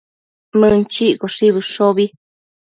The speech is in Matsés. Mënchiccoshi bëshobi